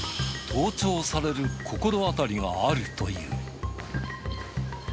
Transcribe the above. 盗聴される心当たりがあるという。